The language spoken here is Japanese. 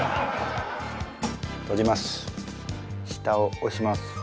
下を押します。